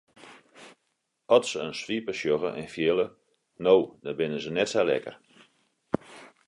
At se in swipe sjogge en fiele no dan binne se net sa lekker.